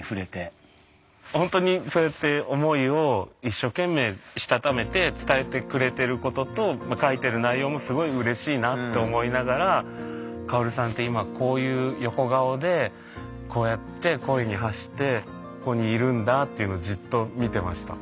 ほんとにそうやって思いを一生懸命したためて伝えてくれてることと書いてる内容もすごいうれしいなと思いながら薫さんって今こういう横顔でこうやって恋に走ってここにいるんだっていうのをじっと見てました。